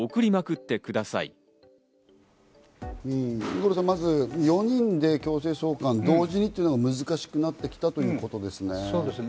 五郎さん、まず４人で強制送還、同時にというのが難しくなってきたということですね。